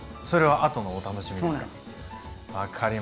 それはあとのお楽しみですか？